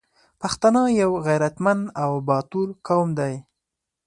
پښتانه یو غریتمند او باتور قوم دی